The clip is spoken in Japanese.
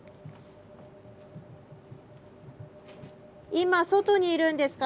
今外にいるんですか？